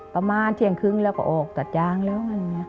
ประมาณเที่ยงครึ่งแล้วก็ออกตัดยางแล้ว